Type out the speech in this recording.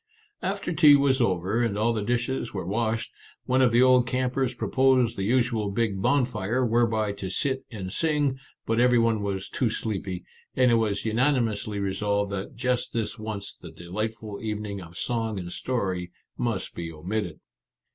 After tea was over, and all the dishes were washed, one of the old campers proposed the usual big bonfire, whereby to sit and sing, but every one was too sleepy, and it was unani mously resolved that just this once the delight ful evening of song and story must be omitted.